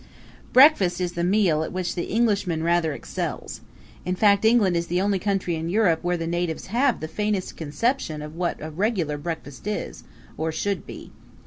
Breakfast is the meal at which the Englishman rather excels; in fact England is the only country in Europe where the natives have the faintest conception of what a regular breakfast is, or should be.